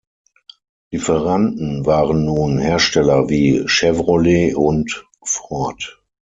Lieferanten waren nun Hersteller wie Chevrolet und Ford.